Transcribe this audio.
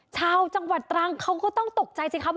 ชาวจังหวัดตรังเขาก็ต้องตกใจสิครับ